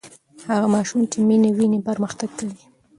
هغه ماشوم چې مینه ویني پرمختګ کوي.